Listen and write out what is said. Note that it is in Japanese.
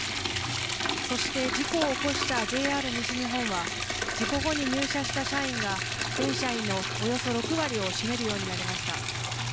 そして事故を起こしたＪＲ西日本は、事故後に入社した社員が全社員のおよそ６割を占めるようになりました。